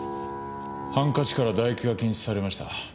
ハンカチから唾液が検出されました。